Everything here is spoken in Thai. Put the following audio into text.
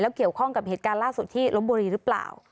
เกี่ยวข้องกับเหตุการณ์ล่าสุดที่ลบบุรีหรือเปล่า